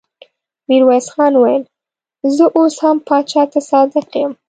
ميرويس خان وويل: زه اوس هم پاچا ته صادق يم.